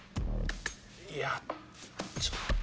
いやちょっと。